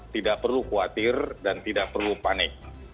tidak perlu khawatir dan tidak perlu panik